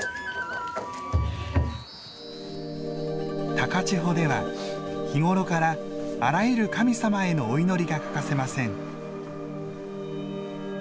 高千穂では日頃からあらゆる神様へのお祈りが欠かせません。